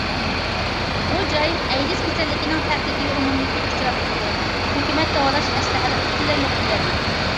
بۇ جاي ئەيدىز كېسەللىكىنىڭ تەھدىتىگە ئومۇميۈزلۈك ئۇچراپ تۇرىدۇ، ھۆكۈمەتنىڭ داۋالاش ئەسلىھەلىرى پۈتۈنلەي يوق دېيەرلىك.